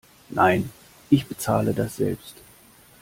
Nein, ich bezahle das selbst.